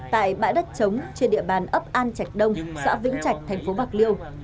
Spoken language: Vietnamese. tại bãi đất trống trên địa bàn ấp an trạch đông xã vĩnh trạch thành phố bạc liêu